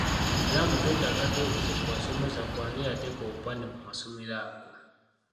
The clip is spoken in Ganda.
Era mbu twetaaga twebuuze ku basomesa ku ani yateeka obupande mu masomero ago?